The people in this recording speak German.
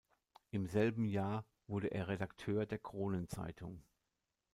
Im selben Jahr wurde er Redakteur der Kronen Zeitung.